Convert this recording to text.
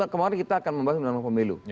kemarin kita akan membahas undang undang pemilu